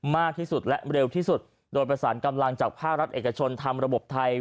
มากที่สุดและเร็วที่สุดโดยประสานกำลังจากภาครัฐเอกชนทำระบบไทย